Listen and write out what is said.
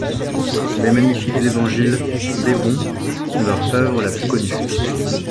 Les magnifiques Évangiles d'Ebbon sont leur œuvre la plus connue.